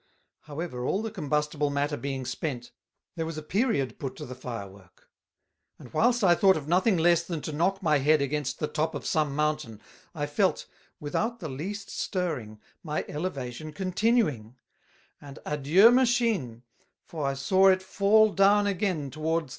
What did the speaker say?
However, all the combustible matter being spent, there was a period put to the Fire work; and whilst I thought of nothing less than to knock my Head against the top of some Mountain, I felt, without the least stirring, my elevation continuing; and adieu Machine, for I saw it fall down again towards the Earth.